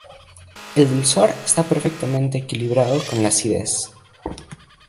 El dulzor está perfectamente equilibrado con la acidez.